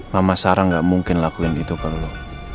mama sarah gak mungkin lakuin gitu ke lo